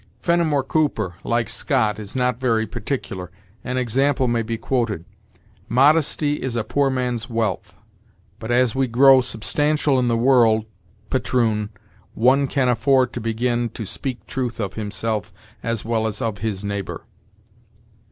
"Fenimore Cooper, like Scott, is not very particular; an example may be quoted: 'Modesty is a poor man's wealth; but, as we grow substantial in the world, patroon, one can afford to begin to speak truth of himself as well as of his neighbor.'